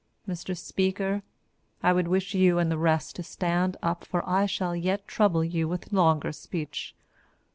Mr Speaker, I would wish you and the rest to stand up for I shall yet trouble you with longer speech.